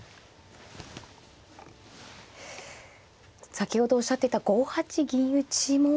先ほどおっしゃってた５八銀打も。